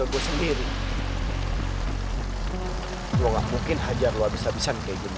jangan semang sexually harassing you